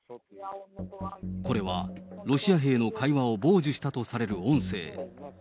これはロシア兵の会話を傍受したとされる音声。